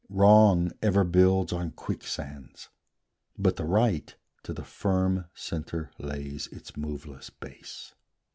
Wrong ever builds on quicksands, but the Right To the firm centre lays its moveless base.